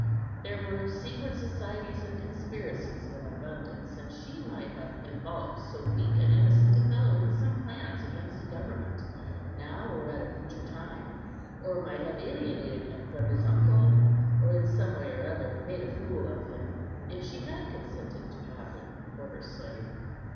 There were secret societies and conspiracies in abundance, and she might have involved so weak and innocent a fellow in some plans against the government, now or at a future time; or might have alienated him from his uncle, or in some way or other made a fool of him, if she had consented to have him for her slave.